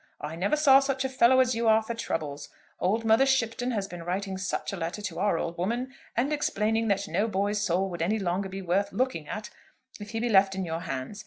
I never saw such a fellow as you are for troubles! Old Mother Shipton has been writing such a letter to our old woman, and explaining that no boy's soul would any longer be worth looking after if he be left in your hands.